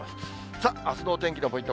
さあ、あすのお天気のポイント。